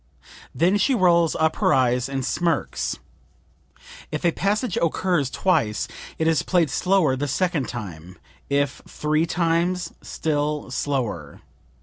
Then she rolls up her eyes and smirks. If a passage occurs twice it is played slower the second time; if three times, still slower.